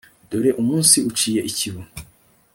dore umunsi uciye ikibu